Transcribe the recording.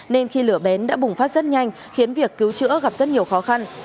nên khi lửa bén đã bùng phát rất nhanh khiến việc cứu chữa gặp rất nhiều khó khăn